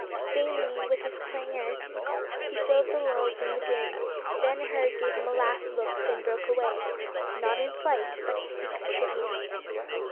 Vainly with his clangor he filled the lulls in the din. Ben Hur gave him a last look, then broke away—not in flight, but to seek the tribune.